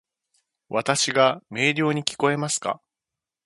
わたし（の声）が明瞭に聞こえますか？